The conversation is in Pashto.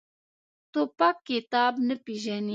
توپک کتاب نه پېژني.